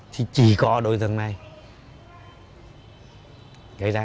thì chỉ có đối tượng này